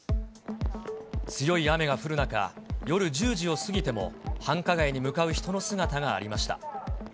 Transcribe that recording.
強い雨が降る中、夜１０時を過ぎても、繁華街に向かう人の姿がありました。